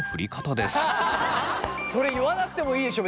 それ言わなくてもいいでしょう。